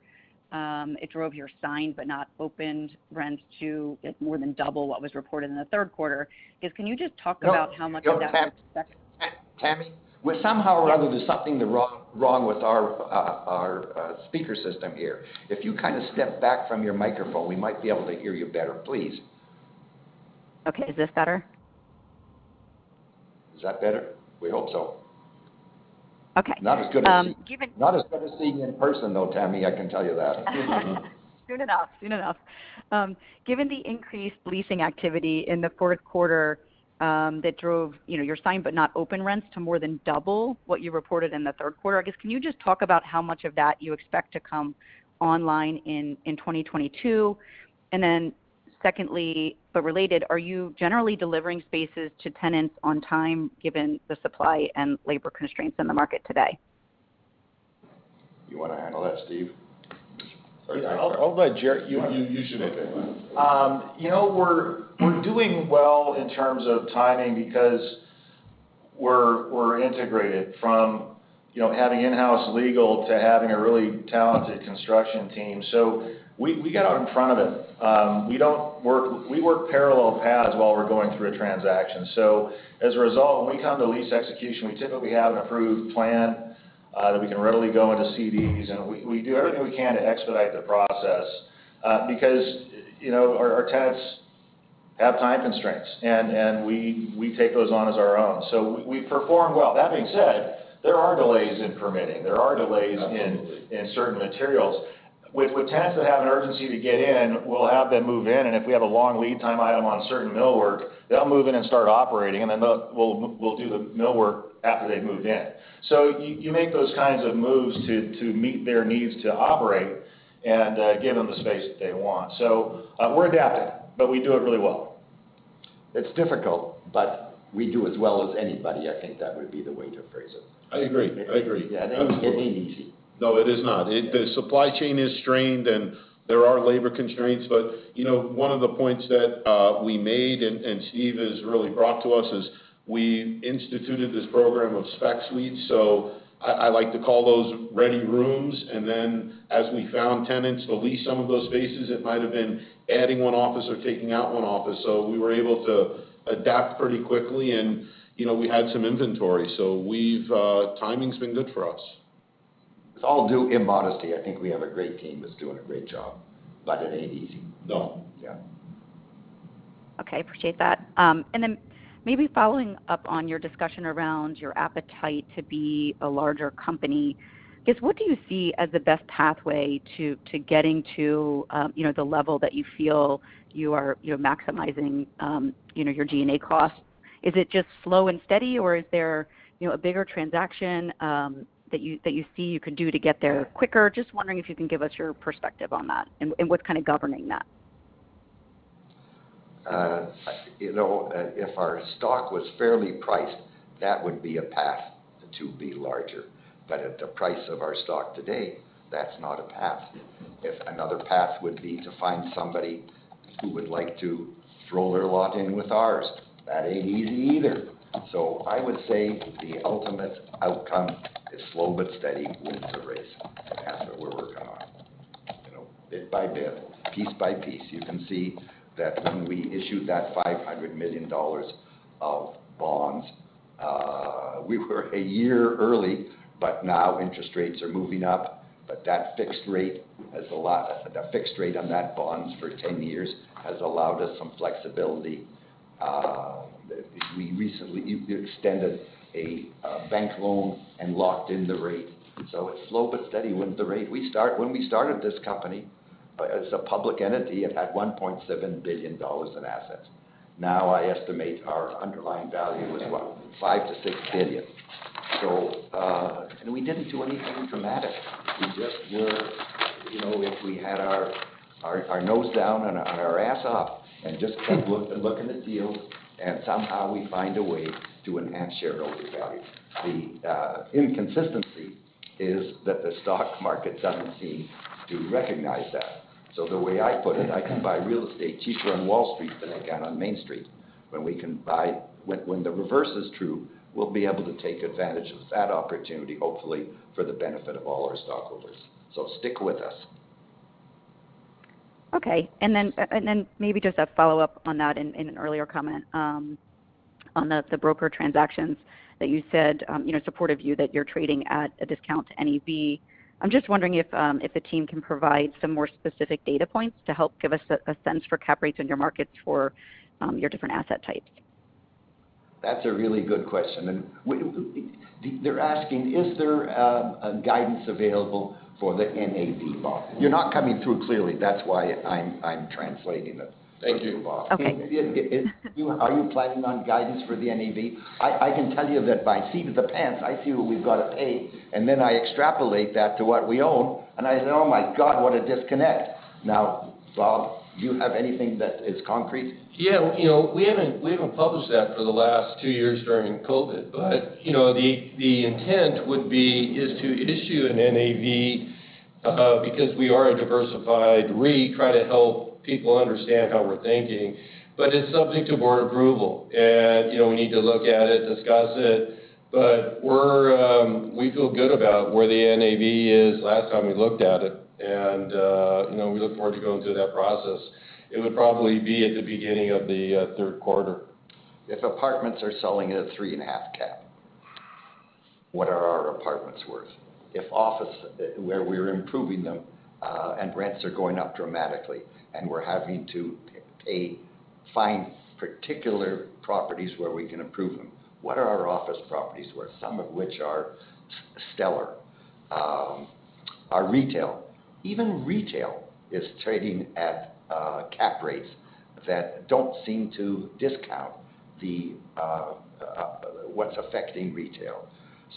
Speaker 11: it drove your signed but not opened rents to more than double what was reported in the third quarter. I guess, can you just talk about how much of that?
Speaker 3: No. No, Tammy, we're somehow running into something wrong with our speaker system here. If you kind of step back from your microphone, we might be able to hear you better, please.
Speaker 11: Okay. Is this better?
Speaker 3: Is that better? We hope so.
Speaker 11: Okay.
Speaker 3: Not as good as seeing you in person, though, Tammy, I can tell you that.
Speaker 11: Soon enough. Given the increased leasing activity in the fourth quarter, that drove, you know, your signed but not open rents to more than double what you reported in the third quarter. I guess, can you just talk about how much of that you expect to come online in 2022? Secondly, but related, are you generally delivering spaces to tenants on time given the supply and labor constraints in the market today?
Speaker 3: You wanna handle that, Steve?
Speaker 5: You should.
Speaker 3: Okay.
Speaker 10: You know, we're doing well in terms of timing because we're integrated from, you know, having in-house legal to having a really talented construction team. We get out in front of it. We work parallel paths while we're going through a transaction. As a result, when we come to lease execution, we typically have an approved plan that we can readily go into CDs. We do everything we can to expedite the process because, you know, our tenants have time constraints, and we take those on as our own. We perform well. That being said, there are delays in permitting. There are delays in
Speaker 3: Absolutely.
Speaker 10: In certain materials. With tenants that have an urgency to get in, we'll have them move in. If we have a long lead time item on certain millwork, they'll move in and start operating, and then we'll do the millwork after they've moved in. You make those kinds of moves to meet their needs to operate and give them the space that they want. We're adapting, but we do it really well.
Speaker 3: It's difficult, but we do as well as anybody. I think that would be the way to phrase it. I agree.
Speaker 5: Yeah, it ain't easy.
Speaker 3: No, it is not. The supply chain is strained, and there are labor constraints. You know, one of the points that we made, and Steve has really brought to us, is we instituted this program of spec suites. I like to call those ready rooms. Then as we found tenants to lease some of those spaces, it might've been adding one office or taking out one office. We were able to adapt pretty quickly and, you know, we had some inventory. Timing's been good for us. With all due immodesty, I think we have a great team that's doing a great job, but it ain't easy.
Speaker 2: No.
Speaker 3: Yeah.
Speaker 11: Okay. Appreciate that. Maybe following up on your discussion around your appetite to be a larger company, I guess, what do you see as the best pathway to getting to, you know, the level that you feel you're maximizing, you know, your G&A costs? Is it just slow and steady, or is there, you know, a bigger transaction, that you see you could do to get there quicker? Just wondering if you can give us your perspective on that and what's kind of governing that.
Speaker 2: You know, if our stock was fairly priced, that would be a path to be larger. At the price of our stock today, that's not a path. If another path would be to find somebody who would like to throw their lot in with ours, that ain't easy either. I would say the ultimate outcome is slow but steady wins the race, and that's what we're working on. You know, bit by bit, piece by piece. You can see that when we issued that $500 million of bonds, we were a year early. Now interest rates are moving up, but that fixed rate on that bond for 10 years has allowed us some flexibility. We recently extended a bank loan and locked in the rate. It's slow but steady wins the race. When we started this company, as a public entity, it had $1.7 billion in assets. Now I estimate our underlying value is, what, $5 billion-$6 billion. We didn't do anything dramatic. We just were. You know, if we had our nose down and our ass up and just kept looking at deals, and somehow we find a way to enhance shareholder value. The inconsistency is that the stock market doesn't seem to recognize that. The way I put it, I can buy real estate cheaper on Wall Street than I can on Main Street. When the reverse is true, we'll be able to take advantage of that opportunity, hopefully for the benefit of all our stockholders. Stick with us.
Speaker 11: Okay. Maybe just a follow-up on that in an earlier comment on the broker transactions that you said, you know, supportive view that you're trading at a discount to NAV. I'm just wondering if the team can provide some more specific data points to help give us a sense for cap rates in your markets for your different asset types.
Speaker 2: That's a really good question. They're asking, is there a guidance available for the NAV, Bob?
Speaker 4: You're not coming through clearly, that's why I'm translating it.
Speaker 2: Thank you, Bob.
Speaker 11: Okay.
Speaker 2: Are you planning on guidance for the NAV? I can tell you that by seat of the pants, I see what we've got to pay, and then I extrapolate that to what we own, and I say, "Oh my God, what a disconnect." Now, Bob, do you have anything that is concrete?
Speaker 4: Yeah. You know, we haven't published that for the last two years during COVID. You know, the intent would be is to issue an NAV Because we are a diversified REIT, try to help people understand how we're thinking. But it's subject to board approval. You know, we need to look at it, discuss it. But we feel good about where the NAV is last time we looked at it. You know, we look forward to going through that process. It would probably be at the beginning of the third quarter.
Speaker 2: If apartments are selling at a 3.5 cap, what are our apartments worth? If office, where we're improving them, and rents are going up dramatically, and we're having to find particular properties where we can improve them, what are our office properties worth? Some of which are stellar. Our retail. Even retail is trading at cap rates that don't seem to discount the what's affecting retail.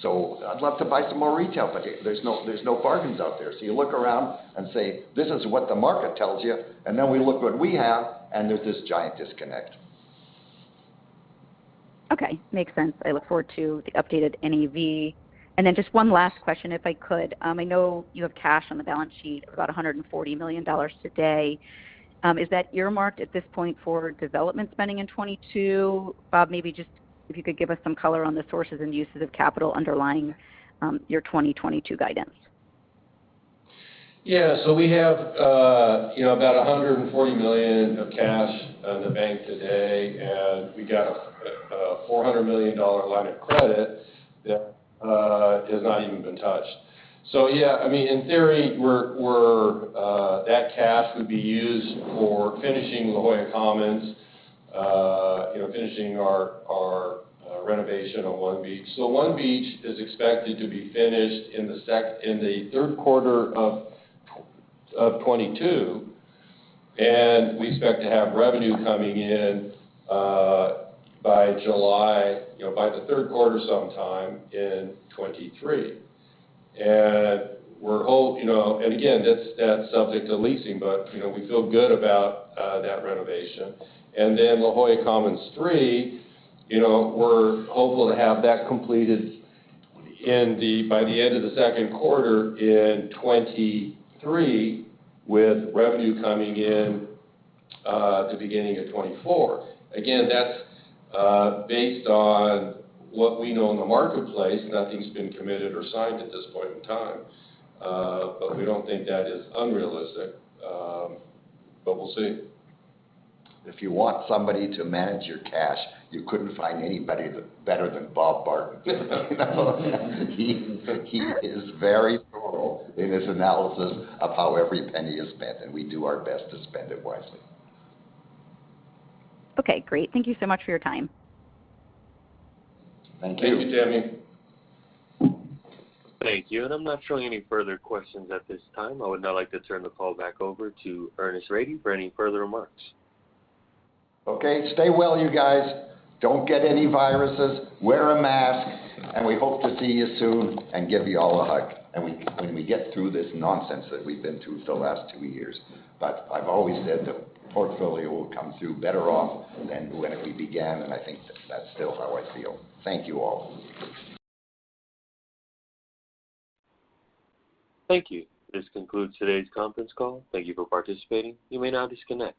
Speaker 2: I'd love to buy some more retail, but there's no bargains out there. You look around and say, "This is what the market tells you," and then we look what we have, and there's this giant disconnect.
Speaker 11: Okay. Makes sense. I look forward to the updated NAV. Then just one last question, if I could. I know you have cash on the balance sheet, about $140 million today. Is that earmarked at this point for development spending in 2022? Bob, maybe just if you could give us some color on the sources and uses of capital underlying your 2022 guidance.
Speaker 4: Yeah. We have, you know, about $140 million of cash in the bank today, and we got a $400 million line of credit that has not even been touched. Yeah, I mean, in theory, we're that cash would be used for finishing La Jolla Commons. You know, finishing our renovation on One Beach. One Beach is expected to be finished in the third quarter of 2022, and we expect to have revenue coming in by July, you know, by the third quarter sometime in 2023. We're hoping. You know, again, that's subject to leasing, but, you know, we feel good about that renovation. La Jolla Commons III, you know, we're hopeful to have that completed by the end of the second quarter in 2023, with revenue coming in at the beginning of 2024. Again, that's based on what we know in the marketplace. Nothing's been committed or signed at this point in time. We don't think that is unrealistic. We'll see.
Speaker 3: If you want somebody to manage your cash, you couldn't find anybody better than Bob Barton. He is very thorough in his analysis of how every penny is spent, and we do our best to spend it wisely.
Speaker 11: Okay, great. Thank you so much for your time.
Speaker 3: Thank you.
Speaker 4: Thank you, Tammy.
Speaker 1: Thank you. I'm not showing any further questions at this time. I would now like to turn the call back over to Ernest Rady for any further remarks.
Speaker 3: Okay. Stay well, you guys. Don't get any viruses, wear a mask, and we hope to see you soon and give you all a hug, and when we get through this nonsense that we've been through for the last two years. I've always said the portfolio will come through better off than when we began, and I think that's still how I feel. Thank you all.
Speaker 1: Thank you. This concludes today's conference call. Thank you for participating. You may now disconnect.